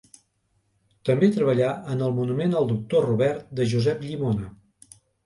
També treballà en el Monument al Doctor Robert, de Josep Llimona.